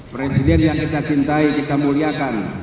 presiden yang kita cintai kita muliakan